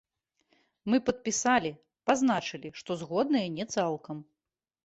Мы падпісалі, пазначылі, што згодныя не цалкам.